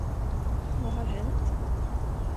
Vad har hänt?